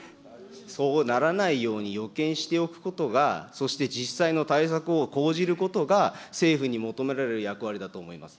そうならないように予見しておくことが、そして実際の対策を講じることが、政府に求められる役割だと思います。